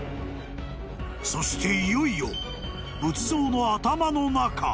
［そしていよいよ仏像の頭の中］